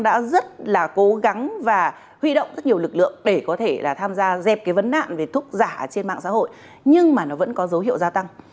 các lực lượng chức năng đã rất là cố gắng và huy động rất nhiều lực lượng để có thể là tham gia dẹp cái vấn đạn về thuốc giả trên mạng xã hội nhưng mà nó vẫn có dấu hiệu gia tăng